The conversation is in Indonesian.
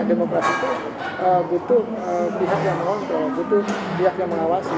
demokrasi itu butuh pihak yang mengontrol butuh pihak yang mengawasi